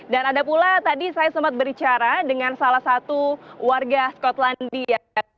dan ada pula tadi saya sempat berbicara dengan salah satu warga skotlandia